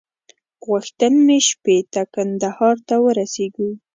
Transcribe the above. غوښتل مو شپې ته کندهار ته ورسېږو.